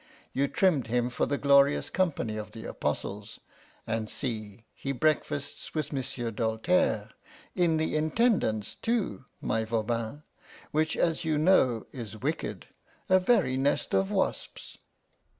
You trimmed him for the glorious company of the apostles, and see, he breakfasts with Monsieur Doltaire in the Intendance, too, my Voban, which, as you know, is wicked a very nest of wasps!"